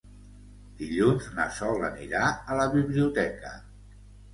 Dilluns na Sol anirà a la biblioteca.